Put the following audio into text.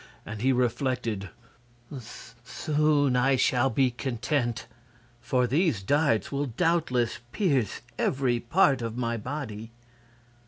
And he reflected: "Soon shall I be content, for these darts will doubtless pierce every part of my body."